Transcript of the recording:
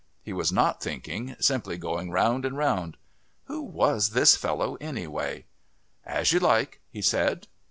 He was not thinking, simply going round and round.... Who was this fellow anyway? "As you like," he said.